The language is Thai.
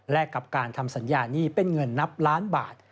และกับการทำสัญญาหนี้เป็นเงินนับล้านบาท